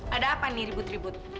ada apa nih ribut ribut